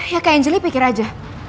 ya kak angelie pikir aja